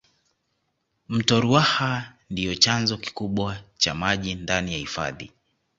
mto ruaha ndiyo chanzo kikubwa cha maji ndani ya hifadhi